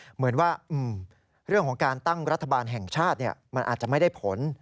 เหมือนว่าเรื่องของการตั้งรัฐบาลแห่งชาติมันอาจจะไม่ได้ผล